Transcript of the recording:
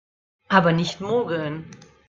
Aber nicht mogeln